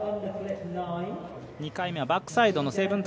２回目はバックサイドの７２０。